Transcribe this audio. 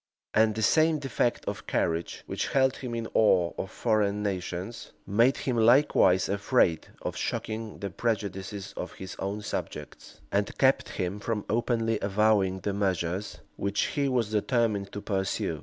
And the same defect of courage which held him in awe of foreign nations, made him likewise afraid of shocking the prejudices of his own subjects, and kept him from openly avowing the measures which he was determined to pursue.